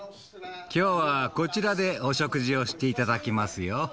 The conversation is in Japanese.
今日はこちらでお食事をして頂きますよ。